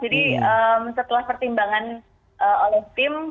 jadi setelah pertimbangan oleh tim